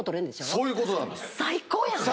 そういうことなんです。